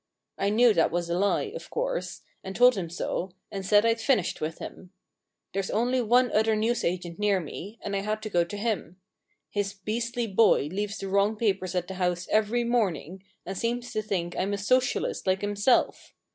I knew that was a lie, of course, and told him so, and said Td finished with him. There's only one other newsagent near me, and I had to go to him. His beastly boy leaves the wrong papers at the house every morning, and seems to think Fm a Socialist like him self.